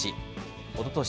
おととし